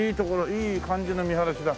いい感じの見晴らしだ！